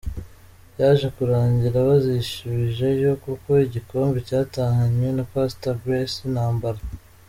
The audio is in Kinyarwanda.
Byaje kurangira bazisubijeyo kuko igikombe cyatahanywe na Pastor Grace Ntambara.